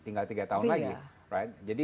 tinggal tiga tahun lagi